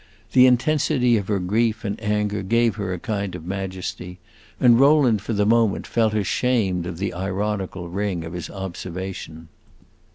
The intensity of her grief and anger gave her a kind of majesty, and Rowland, for the moment, felt ashamed of the ironical ring of his observation.